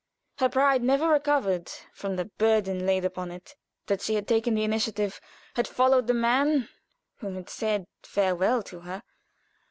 Her pride never recovered from the burden laid upon it that she had taken the initiative, had followed the man who had said farewell to her.